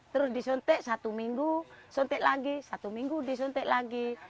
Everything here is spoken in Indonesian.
terus disuntik satu minggu suntik lagi satu minggu disuntik lagi